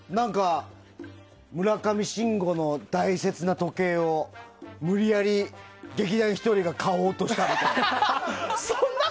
村上信五の大切な時計を無理やり劇団ひとりが買おうとしたみたいな。